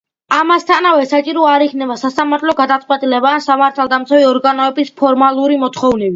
ამასთანავე საჭირო არ იქნება სასამართლო გადაწყვეტილება ან სამართალდამცავი ორგანოების ფორმალური მოთხოვნები.